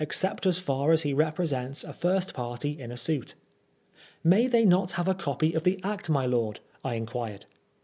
75 cept so far as he represents a first party in a suit. May they not have a copy of the Act, my lord ?" I in quired.